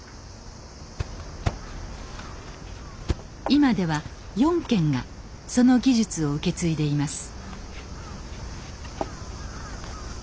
今では４軒がその技術を受け継いでいます。